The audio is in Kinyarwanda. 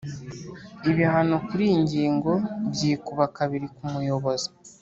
Ibihano kuri iyi ngingo byikuba kabiri ku muyobozi